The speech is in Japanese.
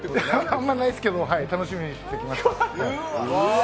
あんまないですけど楽しみにして来ました。